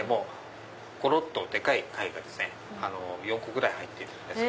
ごろっとでかい貝が４個ぐらい入ってるんです。